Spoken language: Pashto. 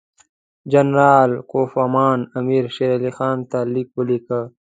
جنرال کوفمان امیر شېر علي خان ته لیک ولیکه.